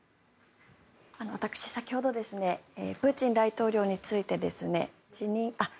私、先ほどプーチン大統領について。